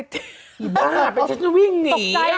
ละบ้าเฟ้ย่ที่จะวิ่งหนี